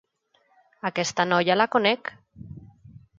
Aquesta noia la conec!